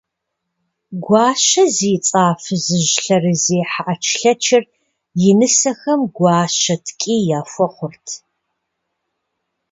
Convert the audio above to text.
Гуащэ зи цӏэ а фызыжь лъэрызехьэ ӏэчлъэчыр, и нысэхэм гуащэ ткӏий яхуэхъурт.